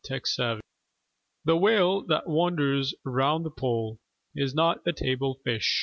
The Whale The Whale that wanders round the Pole Is not a table fish.